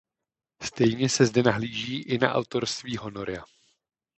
Stejně se zde nahlíží i na autorství Honoria.